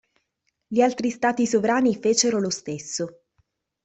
Gli altri Stati sovrani fecero lo stesso.